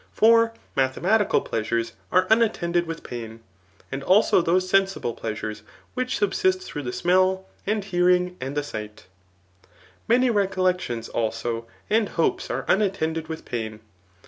For mathematical pleasures are unattended with pain, and also those sed^ible pleasures which subsist through the smell, the hearing, and the sight Many ' recollec tions, also, and hopes are unattended with pain.